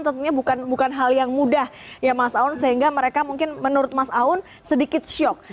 tentunya bukan hal yang mudah ya mas aun sehingga mereka mungkin menurut mas aun sedikit syok